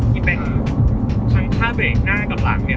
ที่เป็นทั้งท่าเบรกหน้ากับหลังเนี่ย